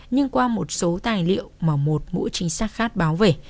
nhưng qua một số tài liệu mà một mũi trinh sát khác báo về